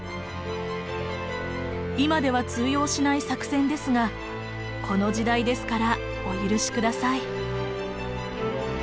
今では通用しない作戦ですがこの時代ですからお許し下さい。